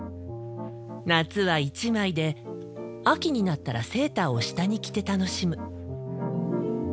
夏は一枚で秋になったらセーターを下に着て楽しむ。